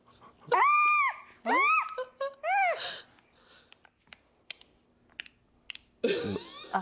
ああ！